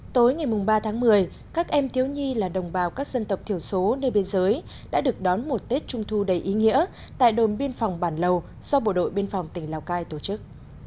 tối ngày ba tháng một mươi các em thiếu nhi là đồng bào các dân tộc thiểu số nơi biên giới đã được đón một tết trung thu đầy ý nghĩa tại đồn biên phòng bản lầu do bộ đội biên phòng tỉnh lào cai tổ chức